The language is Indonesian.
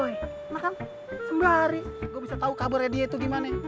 nah kan sembari gue bisa tahu kabarnya dia itu gimana